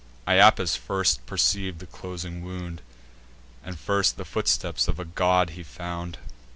Iapis first perceiv'd the closing wound, And first the footsteps of a god he found.